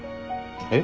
えっ？